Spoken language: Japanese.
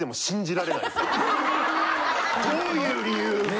どういう理由。